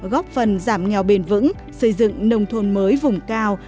góp phần giảm nghèo bền vững xây dựng nông thôn mới vùng cao